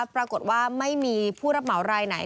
ปรากฏว่าไม่มีผู้รับเหมารายไหน